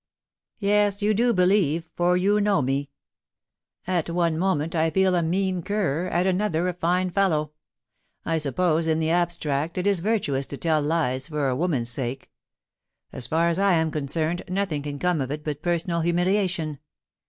Yes, you do believe, for you know me. ... At one moment I feel a mean cur, at another a fine fellow. I suppose in the abstract it is virtuous to tell lies for a woman*s sake. As far as I am concerned, nothing can come of it but personal humiliation.